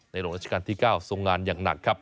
หลวงราชการที่๙ทรงงานอย่างหนักครับ